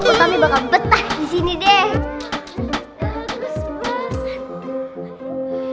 utami bakal betah disini deh